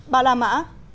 bà la mã